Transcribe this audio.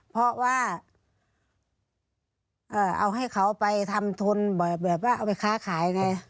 เพราะว่าเอาให้เขาไปทำทุนแบบว่าเอาไปค้าขายไง